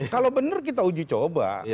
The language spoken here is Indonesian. kalau benar kita uji coba